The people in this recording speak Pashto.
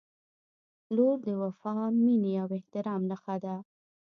• لور د وفا، مینې او احترام نښه ده.